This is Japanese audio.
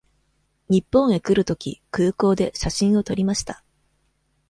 日本へ来るとき、空港で写真を撮りました。